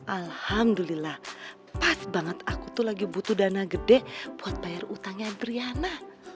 alhamdulillah pas banget aku tuh lagi butuh dana gede buat bayar utangnya triana